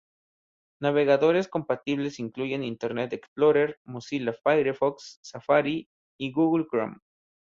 Navegadores compatibles incluyen Internet Explorer, Mozilla Firefox, Safari y Google Chrome.